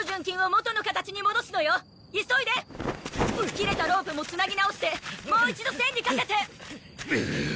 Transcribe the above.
切れたロープも繋ぎ直してもう一度栓にかけて！